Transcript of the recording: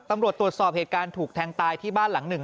ตำรวจตรวจสอบเหตุการณ์ถูกแทงตายที่บ้านหลังหนึ่ง